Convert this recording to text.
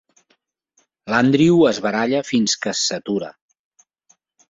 L'Andrew es baralla fins que es satura.